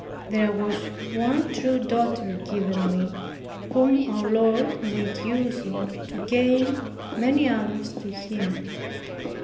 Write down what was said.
There was one true daughter given me, whom our Lord made use of to gain many others to Him.